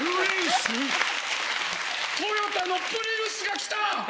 トヨタのプリウスが来た！